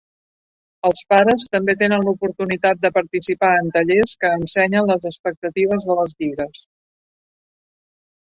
Els pares també tenen l'oportunitat de participar en tallers que ensenyen les expectatives de les lligues.